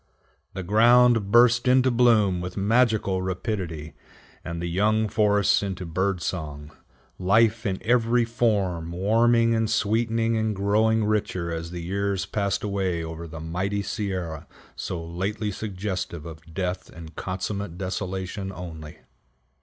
The ground burst into bloom with magical rapidity, and the young forests into bird song: life in every form warming and sweetening and growing richer as the years passed away over the mighty Sierra so lately suggestive of death and consummate desolation only.